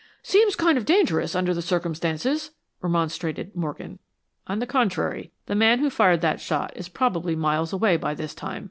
"Seems kind of dangerous, under the circumstances," remonstrated Morgan. "On the contrary, the man who fired that shot is probably miles away by this time.